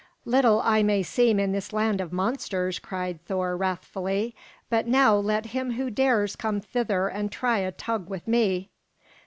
"Little I may seem in this land of monsters," cried Thor wrathfully, "but now let him who dares come hither and try a hug with me."